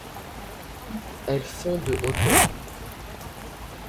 Elles font de hauteur.